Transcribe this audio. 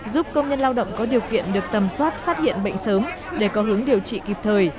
giúp công nhân lao động có điều kiện được tầm soát phát hiện bệnh sớm để có hướng điều trị kịp thời